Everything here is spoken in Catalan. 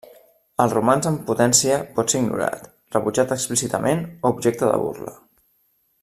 El romanç en potència pot ser ignorat, rebutjat explícitament o objecte de burla.